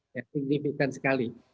yang signifikan sekali